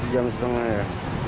jam setengah ya